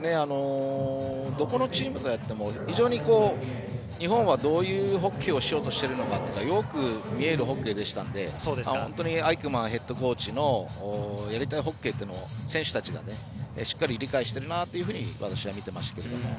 どこのチームとやっても非常に日本はどういうホッケーをしようとしているのかよく見えるホッケーでしたのでアイクマンヘッドコーチのやりたいホッケーというのを選手たちがしっかり理解しているなと私は見ていましたけれども。